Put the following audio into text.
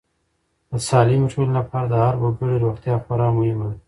د سالمې ټولنې لپاره د هر وګړي روغتیا خورا مهمه ده.